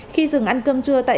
khi dừng ăn cơm trưa tại